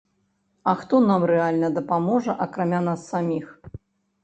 А хто нам рэальна дапаможа, акрамя нас саміх?!